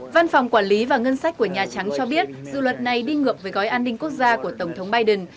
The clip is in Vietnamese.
văn phòng quản lý và ngân sách của nhà trắng cho biết dự luật này đi ngược với gói an ninh quốc gia của tổng thống biden